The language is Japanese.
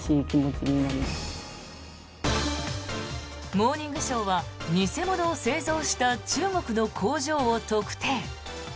「モーニングショー」は偽物を製造した中国の工場を特定。